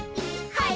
はい！